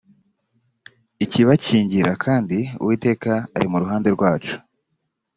ikibakingira kandi uwiteka ari mu ruhande rwacu